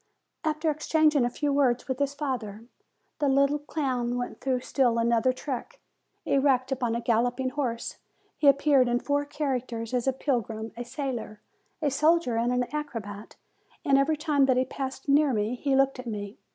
After exchanging a few words with his father, the THE LITTLE CLOWN 149 little clown went through still another trick: erect upon a galloping horse, he appeared in four characters as a pilgrim, a sailor, a soldier, and an acrobat; and every time that he passed near me, he looked at me.